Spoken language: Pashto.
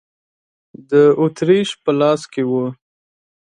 د اتریش په لاس کې و.